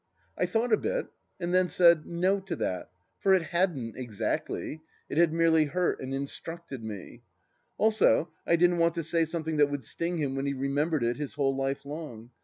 I thought a bit, and then said No to that, for it hadn't, exactly : it had merely hurt and instructed me. Also I didn't want to say something that would sting him when he remembered it his whole life long.